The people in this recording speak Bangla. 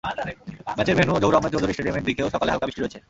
ম্যাচের ভ্যেনু জহুর আহমেদ চৌধুরী স্টেডিয়ামের দিকেও সকালে হালকা বৃষ্টি হয়েছে।